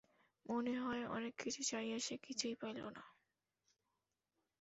মনে হয়, অনেক কিছু চাহিয়া সে কিছুই পাইল না।